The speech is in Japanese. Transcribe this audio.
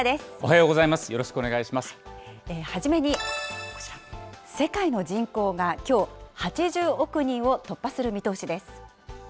よろし初めに、こちら、世界の人口がきょう、８０億人を突破する見通しです。